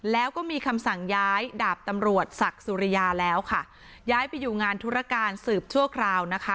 แล้วก็มีคำสั่งย้ายดาบตำรวจศักดิ์สุริยาแล้วค่ะย้ายไปอยู่งานธุรการสืบชั่วคราวนะคะ